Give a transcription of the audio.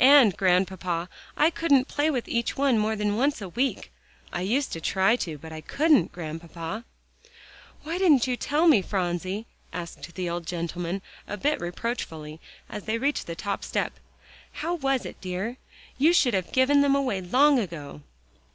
And, Grandpapa, I couldn't play with each one more than once a week. I used to try to, but I couldn't, Grandpapa." "Why didn't you tell me, Phronsie," asked the old gentleman a bit reproachfully as they reached the top step, "how it was, dear? You should have given them away long ago."